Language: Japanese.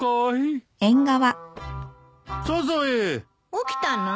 起きたの？